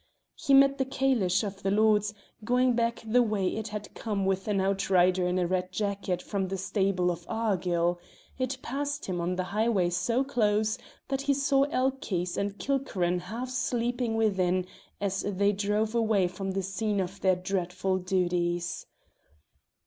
He met the calesh of the Lords going back the way it had come with an outrider in a red jacket from the stable of Argyll: it passed him on the highway so close that he saw Elchies and Kilkerran half sleeping within as they drove away from the scene of their dreadful duties.